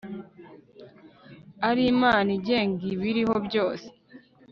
ari imana igenga ibiriho byose